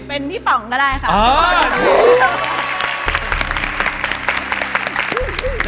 เป็นพี่ป๋องก็ได้ค่ะ